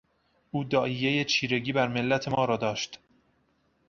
او داعیهی چیرگی بر ملت ما را داشت.